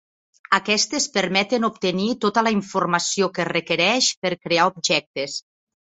Aquestes permeten obtenir tota la informació que es requereix per crear objectes.